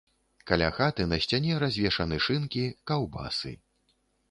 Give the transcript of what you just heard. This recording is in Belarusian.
Каля хаты на сцяне развешаны шынкі, каўбасы.